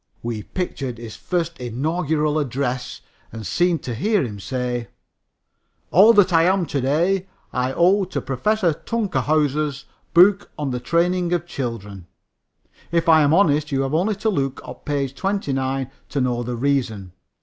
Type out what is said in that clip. We pictured his first inaugural address, and seemed to hear him say: "All that I am to day I owe to Professor Tunkhouser's book on The Training of Children. If I am honest you have only to look on page 29 to know the reason.